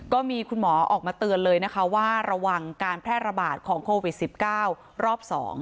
ก็มีคุณหมอออกมาเตือนเลยนะคะว่าระวังการแพร่ระบาดของโควิด๑๙รอบ๒